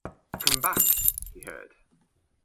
“Come back,” he heard.